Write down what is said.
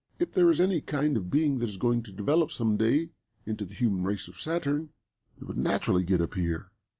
"If there is any kind of being that is going to develop some day into the human race of Saturn it would naturally get up here."